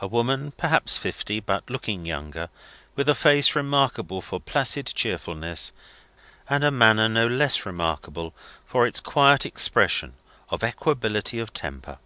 A woman, perhaps fifty, but looking younger, with a face remarkable for placid cheerfulness, and a manner no less remarkable for its quiet expression of equability of temper.